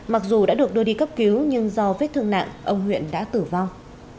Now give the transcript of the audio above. mặc dù đã được đưa đi cấp cứu nhưng do vết thương nạn ông nguyễn đã tử vong